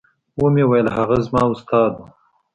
ومې ويل هغه زما استاد و.